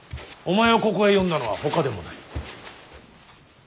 お前をここへ呼んだのはほかでもない。